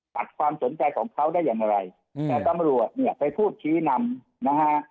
ตัดความสนใจของเขาได้อย่างไรแต่ตำรวจเนี่ยไปพูดชี้นำนะฮะ